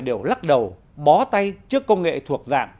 đều lắc đầu bó tay trước công nghệ thuộc dạng